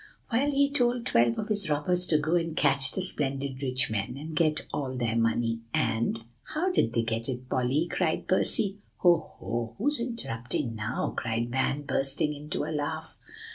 Well, he told twelve of his robbers to go and catch the splendid rich men, and get all their money, and" "How did they get it, Polly?" cried Percy. "Ho! Ho! who's interrupting now?" cried Van, bursting into a laugh.